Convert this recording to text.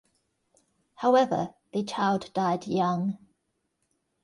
However, the child died young.